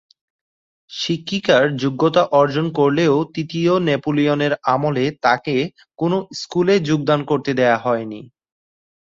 শিক্ষিকার যোগ্যতা অর্জন করলেও তৃতীয় নেপোলিয়নের আমলে তাকে কোনো স্কুলে যোগদান করতে দেওয়া হয়নি।